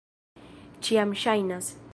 Ĉiam ŝajnas.